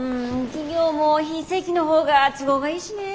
企業も非正規の方が都合がいいしね。